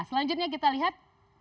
selanjutnya kita lihat